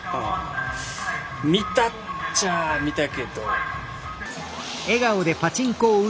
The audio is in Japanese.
見たっちゃ見たけど。